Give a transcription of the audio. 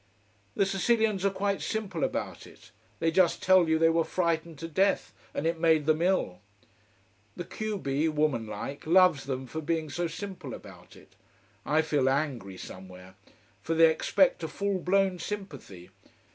The Sicilians are quite simple about it. They just tell you they were frightened to death, and it made them ill. The q b, woman like, loves them for being so simple about it. I feel angry somewhere. For they expect a full blown sympathy.